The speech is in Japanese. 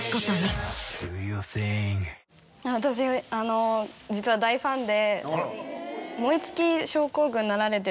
私実は大ファンで。